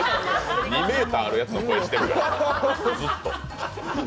２ｍあるやつの声してるから、ずっと。